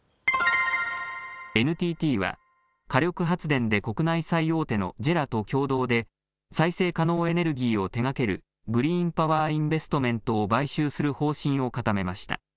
ＮＴＴは火力発電で国内最大手のＪＥＲＡと共同で再生可能エネルギーを手がけるグリーンパワーインベストメントを買収する方針を固めました。